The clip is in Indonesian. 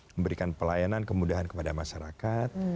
memberikan pelayanan kemudahan kepada masyarakat